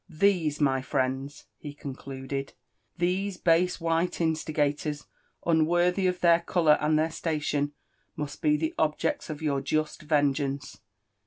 These, my friends," he concluded, — lhese base while instiga tors, unworthy of their colour and their slation, must be the objects of your just vengeance.